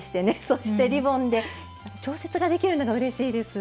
そしてリボンで調節ができるのがうれしいです。